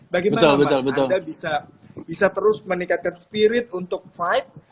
bagaimana mas anda bisa terus meningkatkan spirit untuk fight